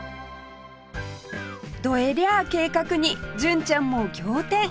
どえりゃあ計画に純ちゃんも仰天